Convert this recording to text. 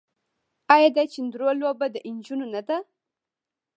آیا د چيندرو لوبه د نجونو نه ده؟